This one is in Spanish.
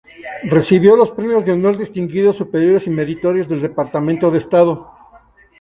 Recibió los premios de Honor Distinguidos, Superiores y Meritorios del Departamento de Estado.